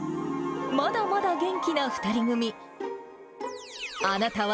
まだまだ元気な２人組。